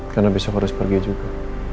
karena besok harus pergi juga